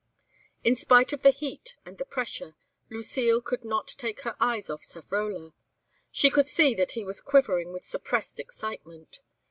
In spite of the heat and the pressure, Lucile could not take her eyes off Savrola. She could see that he was quivering with suppressed excitement.